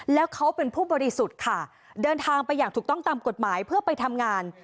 แล้วเขาเป็นผู้บริสุทธิ์ค่ะเดินทางไปอย่างถูกต้องตามกฎหมายเพื่อไปทำงาน